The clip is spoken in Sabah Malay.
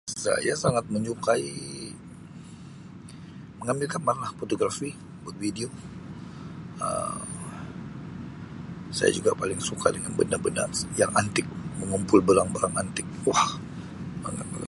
Saya sangat menyukai mengambil gambarlah, fotografi, buat video, Um saya juga paling suka dengan benda-benda yang antik, mengumpul barang-barang antik, wah barang-barang